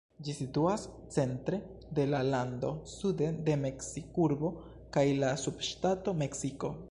Ĝi situas centre de la lando, sude de Meksikurbo kaj la subŝtato Meksiko.